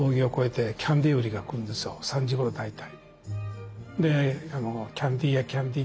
３時ごろ大体。